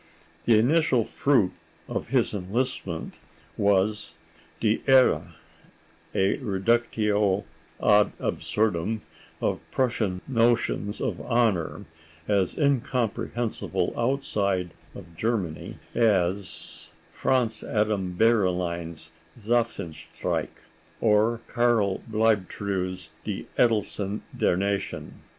The initial fruit of his enlistment was "Die Ehre," a reductio ad absurdum of Prussian notions of honor, as incomprehensible outside of Germany as Franz Adam Beyerlein's "Zapfenstreich" or Carl Bleibtreu's "Die Edelsten der Nation."